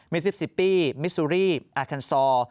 มิซิปซิปปี้มิสซูรีอาคันซอล